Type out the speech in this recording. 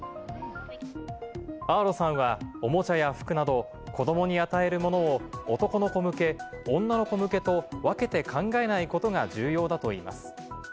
アーロさんは、おもちゃや服など、子どもに与えるものを男の子向け、女の子向けと分けて考えないことが重要だといいます。